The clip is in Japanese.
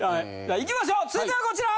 いきましょう続いてはこちら！